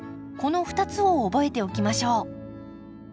この２つを覚えておきましょう。